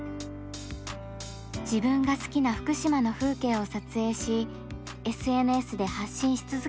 自分が好きな福島の風景を撮影しＳＮＳで発信し続けています。